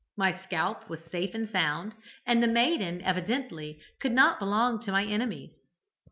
My scalp was safe and sound, and the maiden evidently could not belong to my enemies.